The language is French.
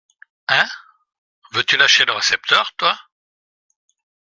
Hein ? veux-tu lâcher le récepteur, toi ?